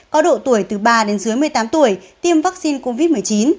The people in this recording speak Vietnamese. có độ tuổi từ ba đến dưới một mươi tám tuổi tiêm vaccine covid một mươi chín